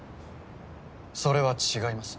それは違います。